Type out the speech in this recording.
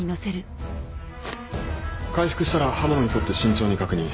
開腹したら刃物に沿って慎重に確認。